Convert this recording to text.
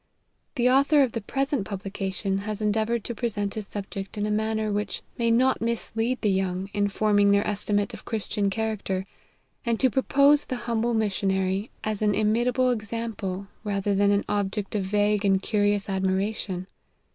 The author of the present publication has endea voured to present his subject in a manner which may not mislead the young, in forming their esti mate of Christian character, and to propose the humble missionary, as an imitable example, rather than an object of vague and curious admiration.